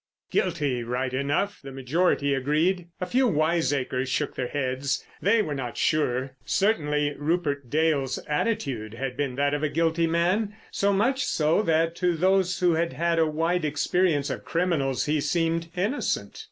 "Guilty, right enough!" the majority agreed. A few wiseacres shook their heads. They were not so sure. Certainly Rupert Dale's attitude had been that of a guilty man, so much so that to those who had had a wide experience of criminals he seemed innocent.